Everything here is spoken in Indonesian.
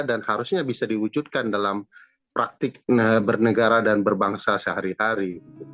dan harusnya bisa diwujudkan dalam praktik bernegara dan berbangsa sehari hari